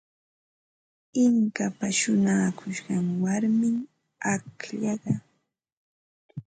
Inkapa shuñakushqan warmim akllaqa.